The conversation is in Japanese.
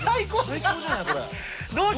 最高じゃないこれ。